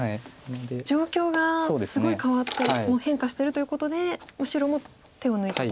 状況がすごい変わってもう変化してるということで白も手を抜いたと。